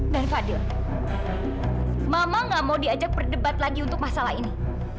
dan fadil mama tidak mau diajak berdebat lagi untuk masalah ini